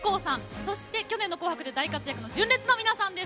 そして去年の「紅白」で大活躍の純烈の皆さんです。